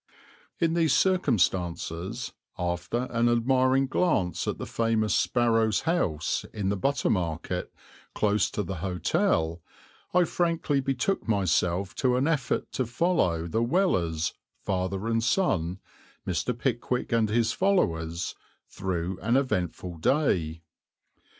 In these circumstances, after an admiring glance at the famous Sparrowe's House in the Butter Market, close to the hotel, I frankly betook myself to an effort to follow the Wellers, father and son, Mr. Pickwick and his followers, through an eventful day.